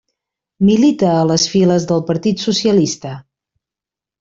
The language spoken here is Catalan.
Milita a les files del Partit Socialista.